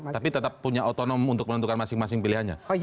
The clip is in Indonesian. tapi tetap punya otonom untuk menentukan masing masing pilihannya